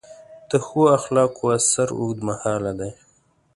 د ښو اخلاقو اثر اوږدمهاله دی.